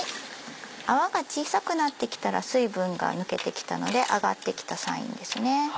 泡が小さくなってきたら水分が抜けてきたので揚がってきたサインですね。